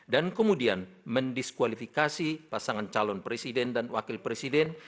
dan kemudian mendiskualifikasi pasangan calon presiden dan wakil presiden